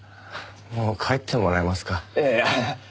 もう帰ってもらえますか。